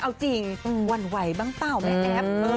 เอาจริงหวั่นไหวบ้างเปล่าแม่แอฟ